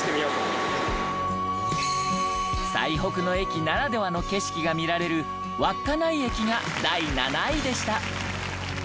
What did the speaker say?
最北の駅ならではの景色が見られる稚内駅が第７位でした。